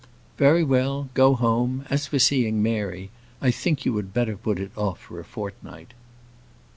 "Very well, go home: as for seeing Mary, I think you had better put it off for a fortnight."